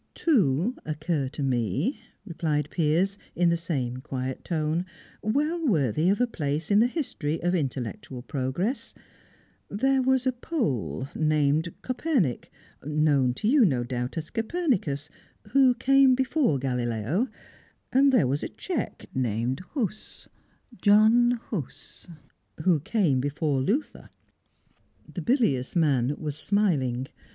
"Two occur to me," replied Piers, in the same quiet tone, "well worthy of a place in the history of intellectual progress. There was a Pole named Kopernik, known to you, no doubt, as Copernicus, who came before Galileo; and there was a Czech named Huss John Huss who came before Luther." The bilious man was smiling.